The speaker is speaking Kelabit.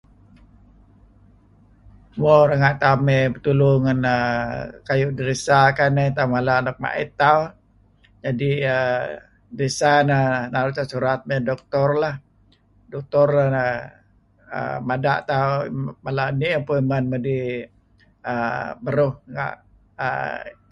Mo, renga' tauh mey petulu ngen kayu' dresser kayu neh, neh tauh mala nuk ma'it tauh, jadi' dresser neh naru' sah surat mey ngan doktor lah, doktor [err]mada' tauh, mala' nih appointment nedih beruh renga' .